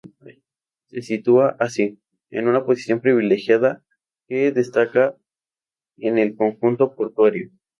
Se sitúa, así, en una posición privilegiada que destaca en el conjunto portuario.